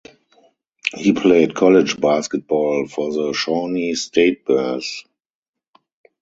He played college basketball for the Shawnee State Bears.